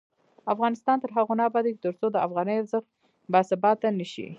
افغانستان تر هغو نه ابادیږي، ترڅو د افغانۍ ارزښت باثباته نشي.